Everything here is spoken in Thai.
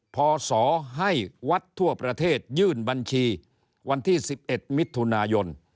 พศให้วัดทั่วประเทศยื่นบัญชีวันที่๑๑มิถุนายน